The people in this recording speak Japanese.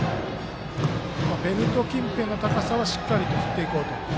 ベルト近辺の高さはしっかりと振っていこうという。